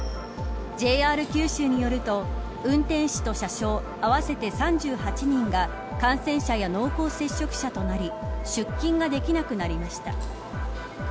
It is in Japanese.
ＪＲ九州によると運転士と車掌合わせて３８人が感染者や濃厚接触者となり出勤ができなくなりました。